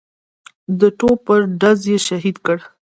د توپ پر ډز یې شهید کړ.